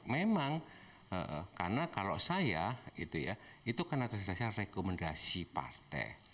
memang karena kalau saya itu ya itu karena tersebut saya rekomendasi partai